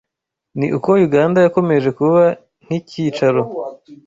ni uko Uganda yakomeje kuba nk’icyicaro